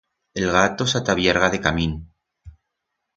El gato s'atabierga decamín.